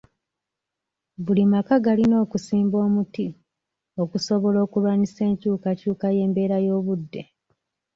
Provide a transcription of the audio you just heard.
Buli maka galina okusimba omuti okusobola okulwanyisa enkuyukakyuka y'embeera y'obudde.